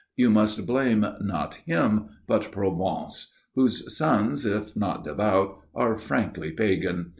you must blame, not him, but Provence, whose sons, if not devout, are frankly pagan.